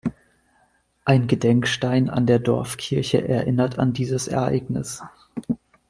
Ein Gedenkstein an der Dorfkirche erinnert an dieses Ereignis.